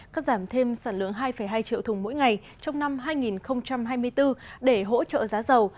cắt giảm thêm sản lượng hai hai triệu thùng mỗi ngày trong năm hai nghìn hai mươi bốn để hỗ trợ giá dầu